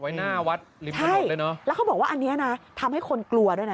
หน้าวัดริมถนนเลยเนอะแล้วเขาบอกว่าอันเนี้ยนะทำให้คนกลัวด้วยนะ